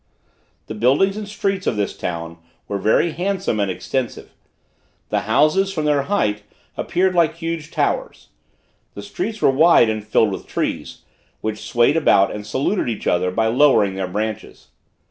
The buildings and streets of this town were very handsome and extensive. The houses, from their height, appeared like huge towers. The streets were wide and filled with trees, which swayed about and saluted each other by lowering their branches.